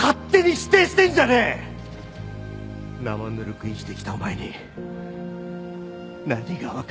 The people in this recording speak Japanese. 生ぬるく生きてきたお前に何が分かんだよ。